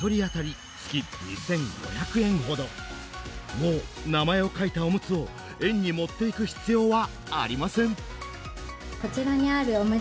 もう名前を書いたおむつを園に持っていく必要はありません。